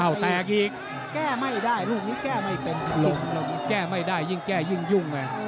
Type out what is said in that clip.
แตกอีกแก้ไม่ได้ลูกนี้แก้ไม่เป็นลมลงแก้ไม่ได้ยิ่งแก้ยิ่งยุ่งไง